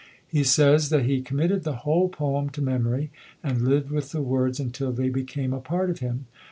He says that he committed the whole poem to mem ory and lived with the words until they became a part of him.